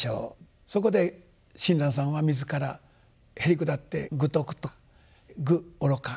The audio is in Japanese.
そこで親鸞さんは自らへりくだって「愚禿」と。愚愚か。